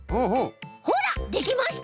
ほらできました！